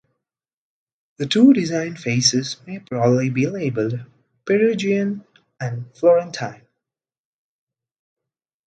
The two design phases may broadly be labeled 'Perugian' and 'Florentine'.